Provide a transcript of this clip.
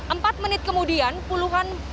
empat menit kemudian puluhan